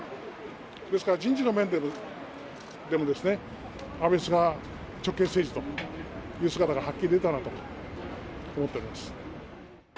ですから人事の面でも、安倍・菅直結政治という姿が、はっきり出たなと思っております。